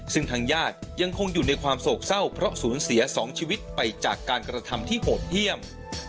ซึ่งทางญาติยังคงอยู่ในความโศกเศร้าเพราะสูญเสีย๒ชีวิตไปจากการกระทำที่โหดเยี่ยม